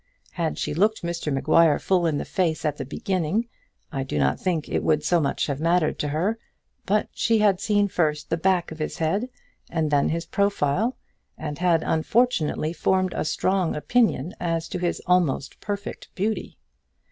Had she looked Mr Maguire full in the face at the beginning, I do not think it would so much have mattered to her; but she had seen first the back of his head, and then his profile, and had unfortunately formed a strong opinion as to his almost perfect beauty.